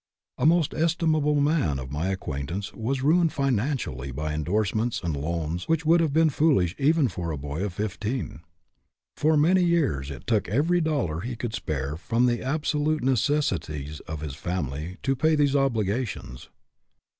A most estimable man of my acquaint ance was ruined financially by indorsements and loans which would have been foolish even for a boy of fifteen. For many years it took every dollar he could spare from the absolute necessities of his family to pay these obli gations.